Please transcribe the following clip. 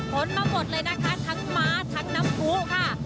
ผลมาหมดเลยนะคะทั้งม้าทั้งน้ำผู้ค่ะ